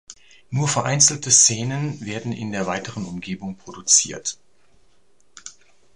Nur vereinzelte Szenen werden in der weiteren Umgebung produziert.